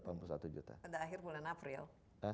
pada akhir bulan april